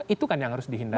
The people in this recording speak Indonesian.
itu kan yang harus dihindari